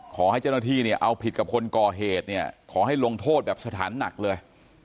ขอให้เจ้าหน้าที่เนี่ยเอาผิดกับคนก่อเหตุเนี่ยขอให้ลงโทษแบบสถานหนักเลย